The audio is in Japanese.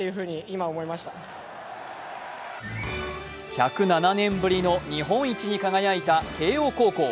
１０７年ぶりの日本一に輝いた慶応高校。